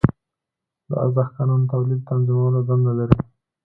د ارزښت قانون د تولید تنظیمولو دنده لري